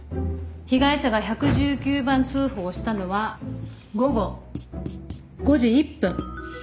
被害者が１１９番通報したのは午後５時１分。